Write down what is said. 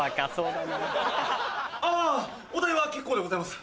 あぁお代は結構でございます。